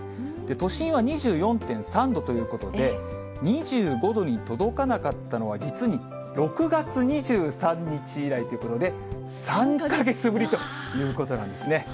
都心は２４．３度ということで、２５度に届かなかったのは実に６月２３日以来ということで、３か月ぶりということなんですね。